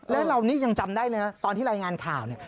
และเหล่านี้ยังจำได้เลยนะตอนที่รายงานข่าว